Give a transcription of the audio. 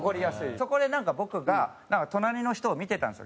そこでなんか僕がなんか隣の人を見てたんですよ